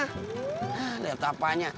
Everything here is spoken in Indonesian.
hah liat apaannya